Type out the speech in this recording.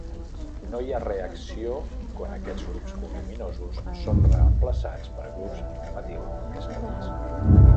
No hi ha reacció quan aquests grups voluminosos són reemplaçats per grups de metil més petits.